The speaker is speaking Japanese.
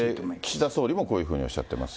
岸田総理もこういうふうにおっしゃってます。